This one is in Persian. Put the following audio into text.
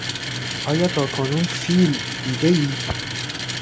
آیا تاکنون فیل دیدهای؟